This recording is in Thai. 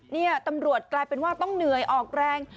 นี่ตำรวจกลายเป็นว่าต้องเหนื่อยออกแรง